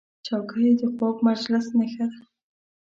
چوکۍ د خوږ مجلس نښه ده.